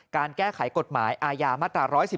การแก้ไขกฎหมายอาญามาตรา๑๑๒